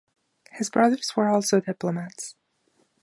His brothers were also diplomats.